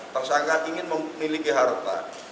tersangka ingin memiliki harta